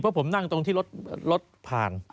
เพราะผมนั่งตรงที่รถผ่าน